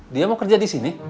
dia mau kerja disini